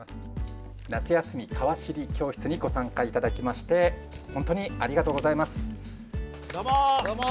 夏休みかわ知り教室にご参加いただきまして本当にありがとうございます。